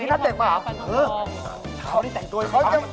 เอ้อถ้าแต่งมาครับเออเค้าเค้า